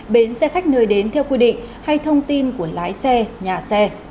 bến xe khách nơi đến theo quy định hay thông tin của lái xe nhà xe